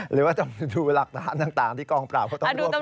หรือว่าจะดูหลักฐานต่างที่กองปราบก็ต้องรวบอีก